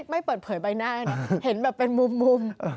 ไม่เปิดเผยใบหน้าให้นะเห็นแบบเป็นมุม